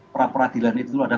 pra peradilan itu ada